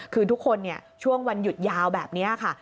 คือทุกคนช่วงวันหยุดยาวแบบนี้ค่ะ